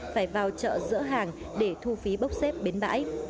phải vào chợ dỡ hàng để thu phí bốc xếp bến bãi